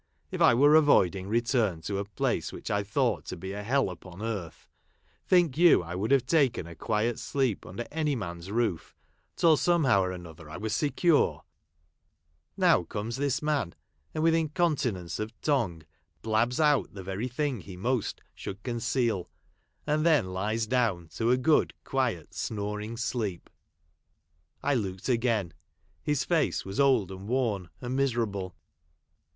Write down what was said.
If I were avoiding return to a place which I thought to be a hell upon earth, think you I would have taken a quiet sleep under any man's roof, till somehow or another I was secure ? Now comes this man, and, with incontinence of tongue, blabs out the very thing he most should conceal, and then lies down to a good, quiet, snoring sleep. I looked again. His face was old, and worn, and miserable.